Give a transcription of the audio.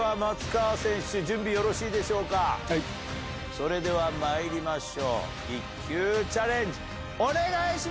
それではまいりましょう１球チャレンジ。